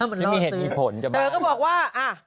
ไม่มีเหตุผลแต่เบา